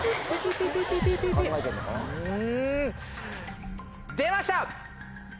ん出ました！